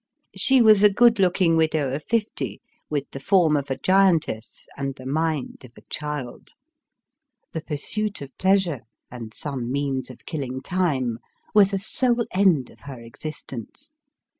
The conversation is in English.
She was a good looking widow of fifty, with the form of a giantess and the mind of a child. The pursuit of pleasure, and some means of killing time, were the solo end of her existence.